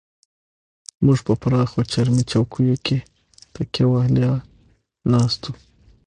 موږ په پراخو چرمي چوکیو کې تکیه وهلې ناست وو.